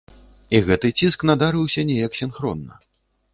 І гэты ціск надарыўся неяк сінхронна.